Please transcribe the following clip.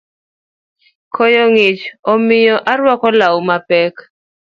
Koyo ng’ich omiyo arwako law mapek